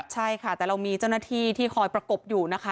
ใช่ค่ะแต่เรามีเจ้าหน้าที่ที่คอยประกบอยู่นะคะ